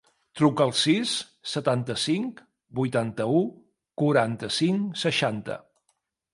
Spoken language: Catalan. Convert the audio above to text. Truca al sis, setanta-cinc, vuitanta-u, quaranta-cinc, seixanta.